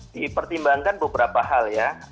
di pertimbangkan beberapa hal ya